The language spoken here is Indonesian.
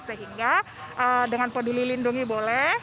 sehingga dengan peduli lindungi boleh